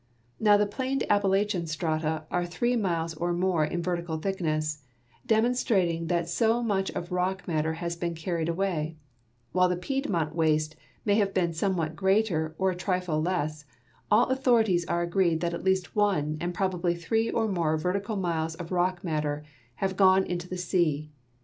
Now the planed A])palachian strata are three miles or more in vertical thickness, demonstrating that so much of rock matter has been carried away; and while the Piedmont waste may have been somewhat greater or a trifle less, all authorities are agreed that at least one and probably three or more vertical miles of rock matter have gone into the sea.